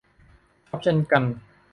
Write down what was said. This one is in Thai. ชอบเช่นกัน